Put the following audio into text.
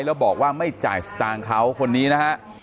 แล้วบอกว่าไม่จ่ายสตางค์เขาคนนี้นะฮะ